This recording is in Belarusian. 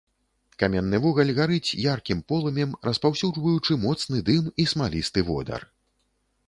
Каменны вугаль гарыць яркім полымем, распаўсюджваючы моцны дым і смалісты водар.